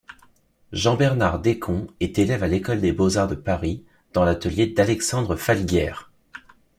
Jean-Bernard Descomps est élève à l'École des beaux-arts de Paris dans l'atelier d'Alexandre Falguière.